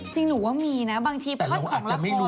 จริงหนูว่ามีนะบางทีพลัดของละครส่วนใหญ่เนี่ย